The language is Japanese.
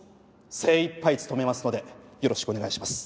精いっぱい務めますのでよろしくお願いします。